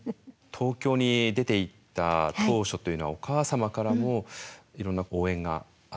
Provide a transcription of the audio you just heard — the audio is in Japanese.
東京に出ていった当初というのはお母様からもいろんな応援があったそうですね。